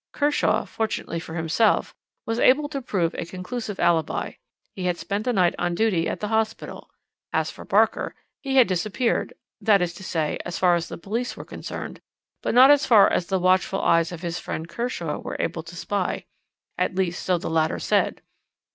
Kershaw, fortunately for himself, was able to prove a conclusive alibi; he had spent the night on duty at the hospital; as for Barker, he had disappeared, that is to say, as far as the police were concerned, but not as far as the watchful eyes of his friend Kershaw were able to spy at least, so the latter said.